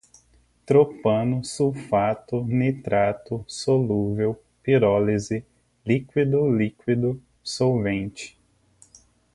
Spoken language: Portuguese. tropano, sulfato, nitrato, solúvel, pirólise, líquido-líquido, solvente